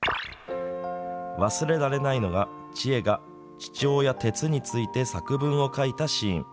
忘れられないのがチエが父親テツについて作文を書いたシーン。